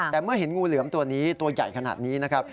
แต่เมื่อเห็นงูเหลือมตัวนี้ตัวใหญ่ขนาดนี้นะครับ